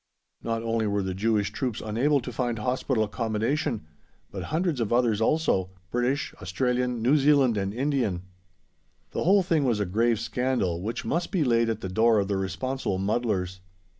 Not only were the Jewish troops unable to find hospital accommodation, but hundreds of others also British, Australian, New Zealand, and Indian. The whole thing was a grave scandal, which must be laid at the door of the responsible muddlers.